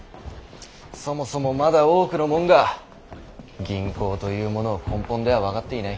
そもそもまだ多くの者が銀行というものを根本では分かっていない。